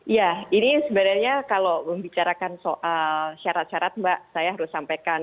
ya ini sebenarnya kalau membicarakan soal syarat syarat mbak saya harus sampaikan